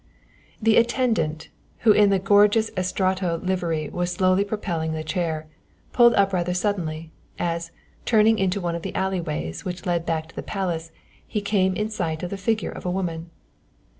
The attendant, who in the gorgeous Estrato livery was slowly propelling the chair, pulled up rather suddenly, as, turning into one of the alley ways which led back to the palace he came in sight of the figure of a woman.